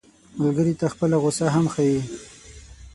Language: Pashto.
ملګری ته خپله غوسه هم ښيي